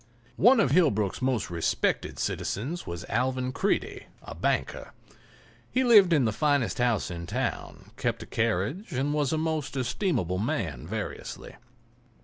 One of Hillbrook's most respected citizens was Alvan Creede, a banker. He lived in the finest house in town, kept a carriage and was a most estimable man variously.